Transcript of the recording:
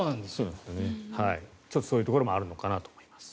ちょっとそういうところもあるのかなと思います。